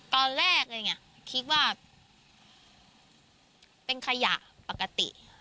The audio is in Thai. ตอนแรกอะไรอย่างเงี้ยคิดว่าเป็นขยะปกติ